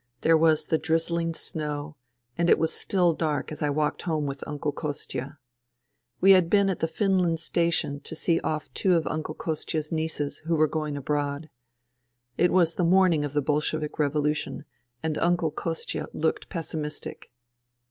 There was the drizzling snow, and it was still dark as I walked home with Uncle Kostia. We had been at the Finland Station to see off two of Uncle Kostia' s nieces who were going abroad. It was the morning of the Bolshevik Revolution, and Uncle Kostia looked pessimistic.